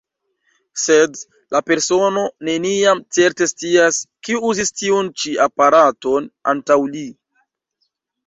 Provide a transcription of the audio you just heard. Sed la persono neniam certe scias, kiu uzis tiun ĉi aparaton antaŭ li.